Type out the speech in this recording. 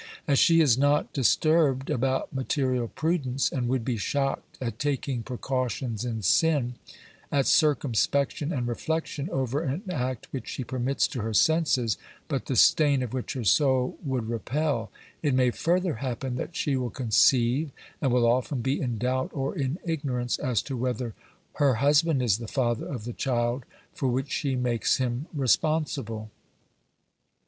As she is not OBERMANN 219 disturbed about material prudence, and would be shocked at taking precautions in sin, at circumspection and reflection over an act which she permits to her senses, but the stain of which her soul would repel, it may further happen that she will conceive, and will often be in doubt or in ignorance as to whether her husband is the father of the child for which she makes him responsible.